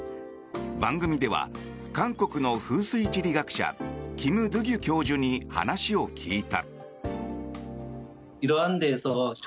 番組では韓国の風水地理学者キム・ドゥギュ教授に話を聞いた。